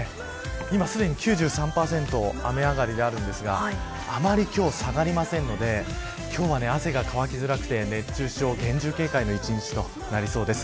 今すでに９３％雨上がりであるんですがあまり今日は下がりませんので今日は汗が乾きにくくて熱中症厳重警戒の１日となりそうです。